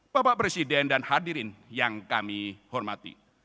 bapak presiden dan hadirin yang kami hormati